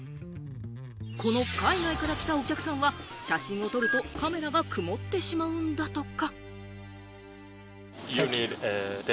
この海外から来たお客さんは写真を撮るとカメラが曇ってしまうんだとか。